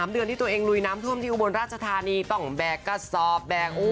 เดือนที่ตัวเองลุยน้ำท่วมที่อุบลราชธานีต้องแบกกระสอบแบก